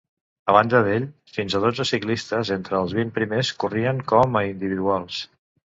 A banda d'ell, fins a dotze ciclistes entre els vint primers corrien com a individuals.